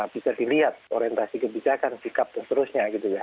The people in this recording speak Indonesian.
bisa dilihat orientasi kebijakan sikap dan seterusnya gitu ya